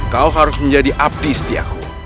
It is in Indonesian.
kau harus menjadi abdi setiaku